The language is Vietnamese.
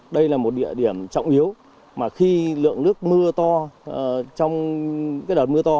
đây là một địa điểm trọng yếu mà khi lượng nước mưa to trong cái đợt mưa to